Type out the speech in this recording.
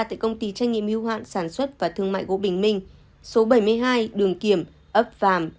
tại công ty trách nhiệm hưu hạn sản xuất và thương mại gỗ bình minh số bảy mươi hai đường kiểm ấp vàm